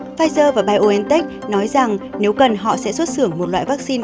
pfizer và biontech nói rằng nếu cần họ sẽ xuất xưởng một loại vaccine